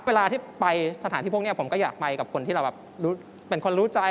เวลาที่ไปสถานที่พวกนี้ผมก็อยากไปกับคนที่เราแบบเป็นคนรู้ใจ